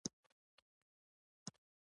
نازنين په دې وخت کې دشپږو مياشتو وه.